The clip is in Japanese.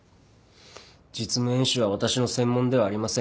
実務演習は私の専門ではありません。